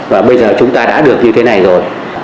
và bây giờ chúng ta đã được như thế này rồi